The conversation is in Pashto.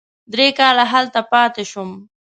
درې کاله هلته پاتې شوم.